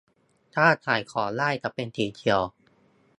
ถ้าขายของได้จะเป็นสีเขียว